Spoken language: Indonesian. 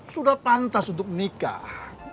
sudah pantas untuk nikah kau pikirkan itulah